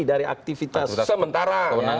dari aktivitas sementara